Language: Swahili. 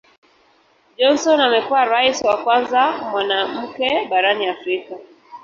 Johnson amekuwa Rais wa kwanza mwanamke barani Afrika.